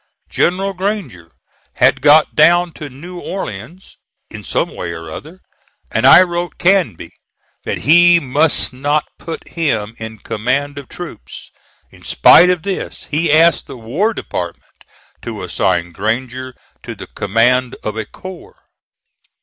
General Granger had got down to New Orleans, in some way or other, and I wrote Canby that he must not put him in command of troops. In spite of this he asked the War Department to assign Granger to the command of a corps.